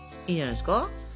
いいんじゃないですか？